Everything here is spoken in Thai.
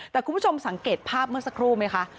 แต่คุณผู้ชมสังเกตภาพเมื่อสักครู่ไหมคะ